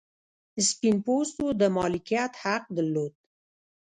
سپین پوستو د مالکیت حق درلود.